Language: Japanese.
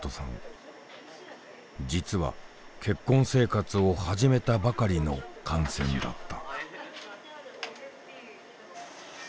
実は結婚生活を始めたばかりの感染だった。